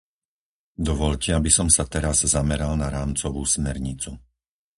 Dovoľte, aby som sa teraz zameral na rámcovú smernicu.